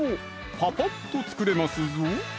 パパッと作れますぞ！